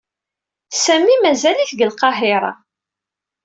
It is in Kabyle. Sami mazal-it deg Lqahiṛa.